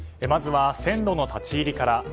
まずは線路の立ち入りから。